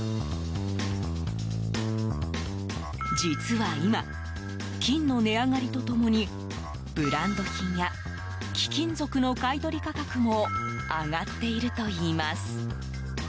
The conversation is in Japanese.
実は今、金の値上がりと共にブランド品や貴金属の買い取り価格も上がっているといいます。